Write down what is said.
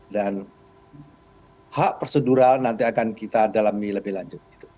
dan hak procedural nanti akan kita dalami lebih lanjut